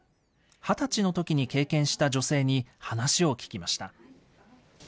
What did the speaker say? ２０歳のときに経験した女性に話を聞きました。